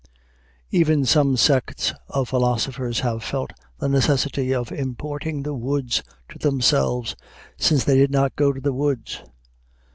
Even some sects of philosophers have felt the necessity of importing the woods to themselves, since they did not go to the woods.